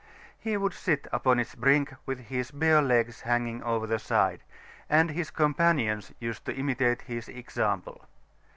He would sit upon its brink with his bare legs hanging over the side, and his companions used to imitate his example.